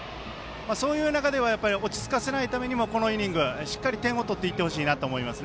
そういう中では落ち着かせないためにもこのイニングしっかり点を取っていってほしいなと思います。